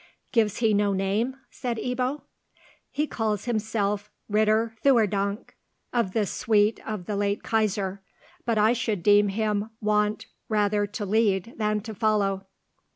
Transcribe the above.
"Gives he no name?" said Ebbo. "He calls himself Ritter Theurdank, of the suite of the late Kaisar, but I should deem him wont rather to lead than to follow."